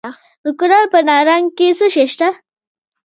د کونړ په نرنګ کې څه شی شته؟